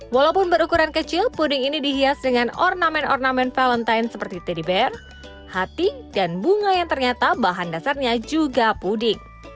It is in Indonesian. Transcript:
walaupun berukuran kecil puding ini dihias dengan ornamen ornamen valentine seperti teddy ben hati dan bunga yang ternyata bahan dasarnya juga puding